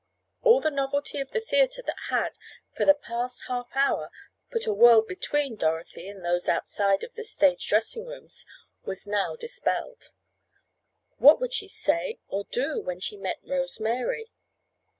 All the novelty of the theatre that had, for the past half hour, put a world between Dorothy and those outside of the stage dressing rooms, was now dispelled. What would she say or do when she met Rose Mary?